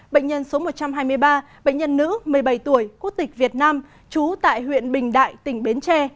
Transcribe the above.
bệnh nhân số một trăm hai mươi ba bệnh nhân nữ một mươi bảy tuổi quốc tịch việt nam trú tại huyện bình đại tỉnh bến tre